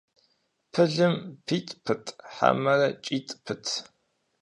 Пылым питӏ пыт, хьэмэрэ кӏитӏ пыт?